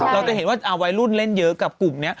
เราจะเห็นว่าวัยรุ่นเล่นเยอะกับกลุ่มนี้